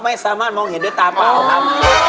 ไม่สามารถมองเห็นด้วยตาเปล่าครับ